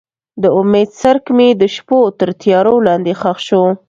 د امید څرک مې د شپو تر تیارو لاندې ښخ شو.